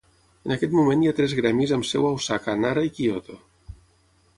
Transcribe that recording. En aquest moment hi ha tres gremis amb seu a Osaka, Nara y Kyoto.